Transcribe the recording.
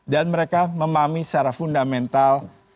dan mereka memahami secara fundamental